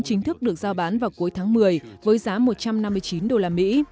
cũng được giao bán vào cuối tháng một mươi với giá một trăm năm mươi chín đô la mỹ